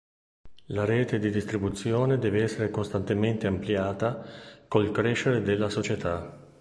La rete di distribuzione deve essere costantemente ampliata col crescere della società.